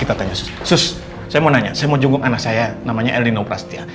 kita tanya sus sus saya mau nanya saya mau junggung anak saya namanya elinow prastia